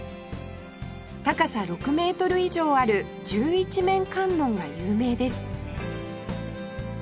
高さ６メートル以上ある十一面観音が有名です